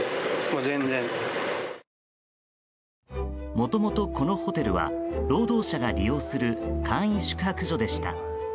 もともと、このホテルは労働者が利用する簡易宿泊所でした。